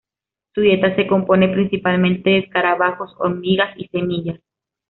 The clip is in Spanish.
Su dieta se compone principalmente de escarabajos, hormigas y semillas.